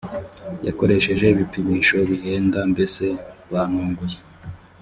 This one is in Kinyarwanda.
yakoresheje ibipimisho bihenda mbese bantunguye